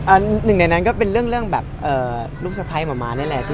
หนึ่งในนั้นก็เป็นเรื่องแบบลูกสะพ้ายหมอม้านี่แหละ